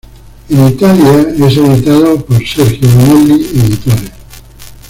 En Italia es editado por Sergio Bonelli Editore.